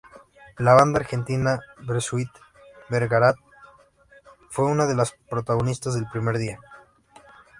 La banda argentina Bersuit Vergarabat fue una de las protagonistas del primer día.